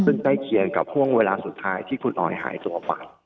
ซึ่งใกล้เคียงกับห่วงเวลาสุดท้ายที่คุณออยหายตัวไป